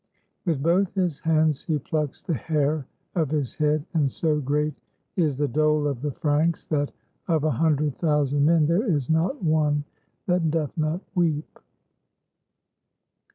With both his hands he plucks the hair of his head; and so great is the dole of the Franks, that of a hundred thousand men there is not one that doth not weep.